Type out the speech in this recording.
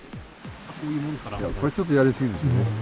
これはちょっとやり過ぎでし